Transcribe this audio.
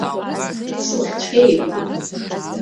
Сылахь цәгьа еиқәуп.